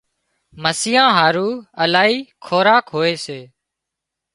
مسيان هارو الاهي خوراڪ هوئي سي